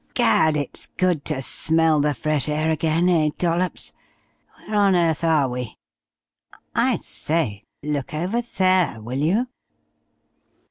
"Gad! it's good to smell the fresh air again eh, Dollops? Where on earth are we? I say look over there, will you?"